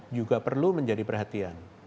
juga perlu menjadi perhatian